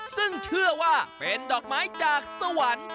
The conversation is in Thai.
ซึ่งเชื่อว่าเป็นดอกไม้จากสวรรค์